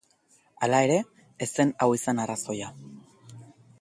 Hala ere, ez zen hau izan arrazoia.